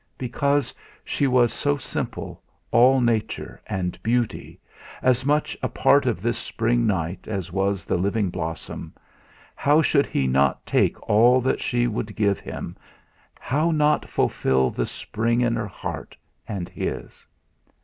Because she was all simple Nature and beauty, as much a part of this spring night as was the living blossom, how should he not take all that she would give him how not fulfil the spring in her heart and his!